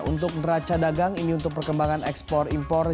untuk neraca dagang ini untuk perkembangan ekspor impor